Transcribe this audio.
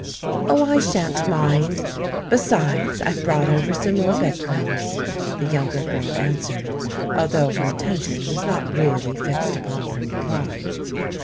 "Oh, I shan't mind. Besides, I brought over some more bed clothes," the younger girl answered, although her attention was not really fixed upon her reply.